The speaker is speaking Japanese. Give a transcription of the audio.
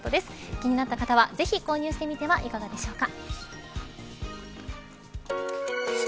気になった方はぜひ購入してみてはいかがでしょうか。